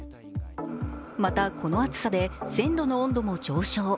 またこの暑さで線路の温度も上昇。